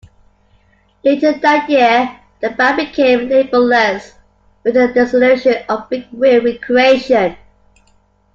Later that year, the band became label-less with the dissolution of Big Wheel Recreation.